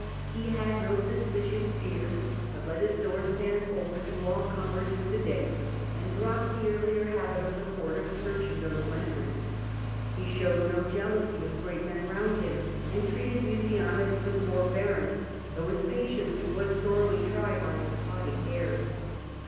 He had no suspicious fears, but let his doors stand open to all comers through the day, and dropped the earlier habit of the court of searching those who entered. He showed no jealousy of great men round him, and treated Mucianus with forbearance, though his patience was sorely tried by his haughty airs.